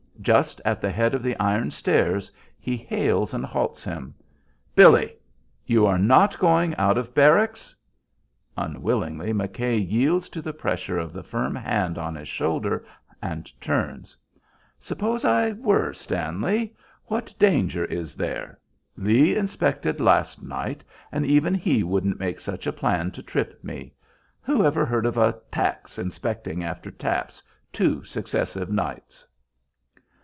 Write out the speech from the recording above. Just at the head of the iron stairs he hails and halts him. "Billy! You are not going out of barracks?" Unwillingly McKay yields to the pressure of the firm hand laid on his shoulder, and turns. "Suppose I were, Stanley. What danger is there? Lee inspected last night, and even he wouldn't make such a plan to trip me. Who ever heard of a 'tack's' inspecting after taps two successive nights?"